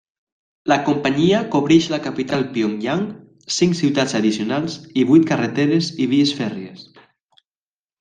La companyia cobreix la capital Pyongyang, cinc ciutats addicionals i vuit carreteres i vies fèrries.